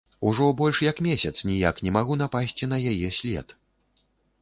Ужо больш як месяц ніяк не магу напасці на яе след.